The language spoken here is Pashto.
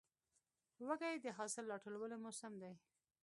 وږی د حاصل راټولو موسم دی.